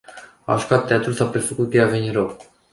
A jucat teatru, s-a prefăcut că i-a venit rău.